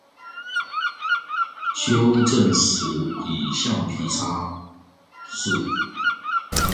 修正時以橡皮擦拭